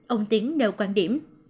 ông tiến nêu quan điểm